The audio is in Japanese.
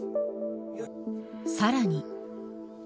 さらに。